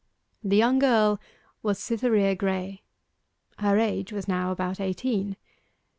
The young girl was Cytherea Graye; her age was now about eighteen.